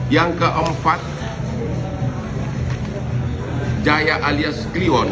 yang keempat jaya alias glion